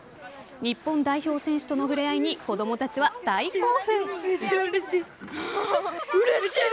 日本代表選手との触れ合いに子供たちは大興奮。